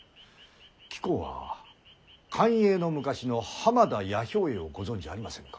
貴公は寛永の昔の浜田弥兵衛をご存じありませぬか。